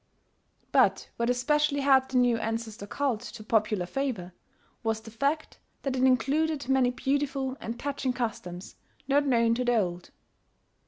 But what especially helped the new ancestor cult to popular favour, was the fact that it included many beautiful and touching customs not known to the old.